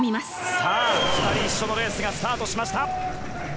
さあ、２人一緒のレースがスタートしました。